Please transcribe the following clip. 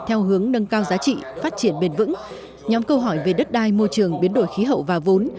theo hướng nâng cao giá trị phát triển bền vững nhóm câu hỏi về đất đai môi trường biến đổi khí hậu và vốn